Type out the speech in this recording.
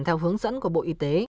theo hướng dẫn của bộ y tế